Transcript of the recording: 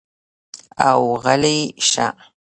او غلے شۀ ـ